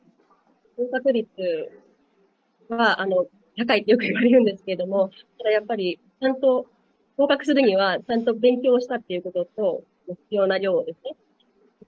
合格率は高いって、よくいわれるんですけども、ただやっぱり、ちゃんと合格するには、ちゃんと勉強したっていうことと、必要な量をですね。